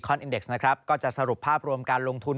รอก่อนได้นะครับเพราะงบกำลังจะออก